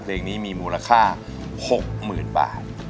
เพลงนี้มีมูลค่า๖๐๐๐บาท